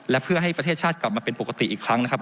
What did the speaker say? และเพื่อให้ประเทศชาติกลับมาเป็นปกติอีกครั้งนะครับ